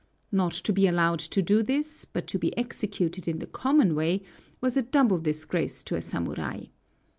Not to be allowed to do this, but to be executed in the common way, was a double disgrace to a samurai.